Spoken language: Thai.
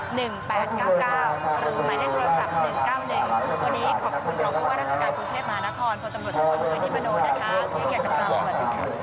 หรือหมายเลขโทรศัพท์๑๙๑วันนี้ขอบคุณขอบคุณพวกรัฐสการกรุงเทพมหานครคนตำรวจตำรวจด้วยที่บรรโนนะคะที่เกียรติการสวัสดีค่ะ